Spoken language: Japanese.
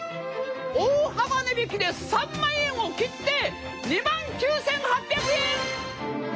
大幅値引きで３万円を切って２万９，８００円！